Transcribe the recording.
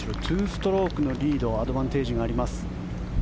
２ストロークのリードアドバンテージがあります。